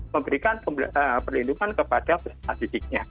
memberikan perlindungan kepada peserta didiknya